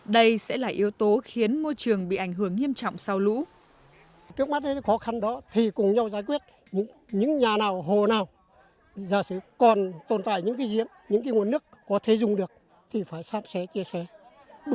đây sẽ là yếu tố khiến môi trường bị ảnh hưởng nghiêm trọng sau lũ